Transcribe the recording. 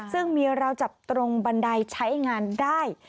ซึ่งเมียเราจับตรงบันไดใช้งานได้